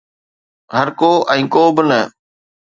هرڪو ۽ ڪو به نه